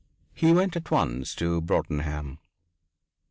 He went at once to Broadenham.